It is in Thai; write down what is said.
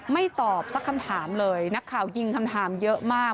ไม่ตอบสักคำถามเลยนักข่าวยิงคำถามเยอะมาก